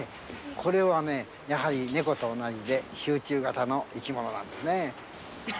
これは猫と同じで集中型の生き物なんですね。